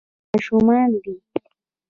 ماشومان دي.